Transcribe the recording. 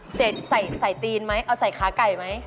เสร็จใส่ตีนไหมเอาใส่ขาไก่ไหม